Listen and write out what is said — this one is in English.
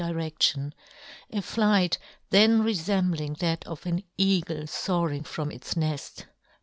91 direftion — a flight then refembhng that of an eagle foaring from its nefl!